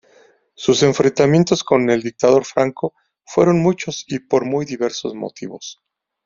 Sus enfrentamientos con el dictador Franco fueron muchos y por muy diversos motivos.